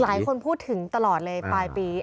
หลายคนพูดถึงตลอดเลยปลายปี